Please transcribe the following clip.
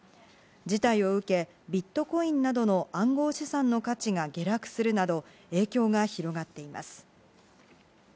事態を受け、ビットコインなどの暗号資産の価値が下落するなど影響が広がっています。